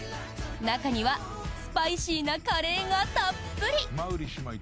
中にはスパイシーなカレーがたっぷり！